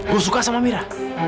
gue suka sama amira